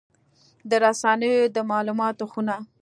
د رسنیو د مالوماتو خونه